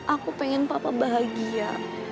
aku pengen papa bahagia